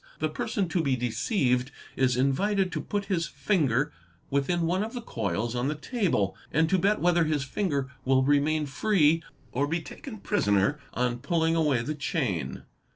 The person to be ~ deceived is invited to put his finger within one of the coils on the table and to bet whether his finger will remain free or be taken prisoner on 2 pulling away the chain.